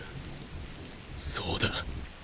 そうだ！